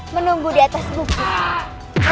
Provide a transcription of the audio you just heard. menunggu di atas bukit